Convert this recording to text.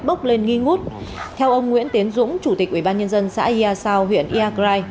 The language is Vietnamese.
bốc lên nghi ngút theo ông nguyễn tiến dũng chủ tịch ubnd xã yasao huyện yagrai